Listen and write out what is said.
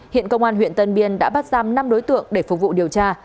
hiện công an huyện tân biên đã bắt giam năm đối tượng để phục vụ điều tra